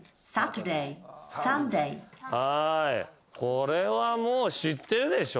これはもう知ってるでしょ？